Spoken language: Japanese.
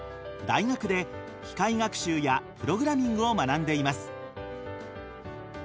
大学で機械学習やプログラミングを学んでいます。